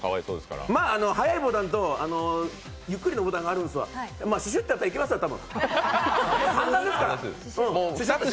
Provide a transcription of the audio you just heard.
早いボタンとゆっくりのボタンがあるんですけどシュシュッとやったらいけますわ、多分。